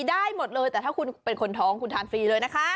ได้หมดเลยแต่ถ้าคุณเป็นคนท้องคุณทานฟรีเลยนะคะ